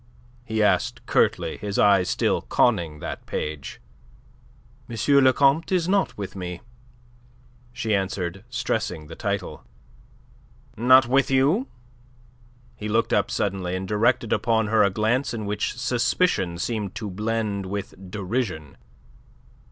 he asked curtly, his eyes still conning that page. "M. le Comte is not with me," she answered, stressing the title. "Not with you?" He looked up suddenly, and directed upon her a glance in which suspicion seemed to blend with derision.